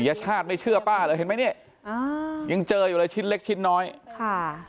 ยชาติไม่เชื่อป้าเลยเห็นไหมนี่อ่ายังเจออยู่เลยชิ้นเล็กชิ้นน้อยค่ะ